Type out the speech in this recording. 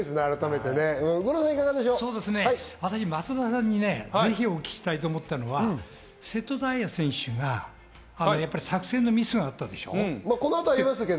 私、松田さんにぜひ伺いたいと思ったのは瀬戸大也選手は作戦のミスがあったでしょ？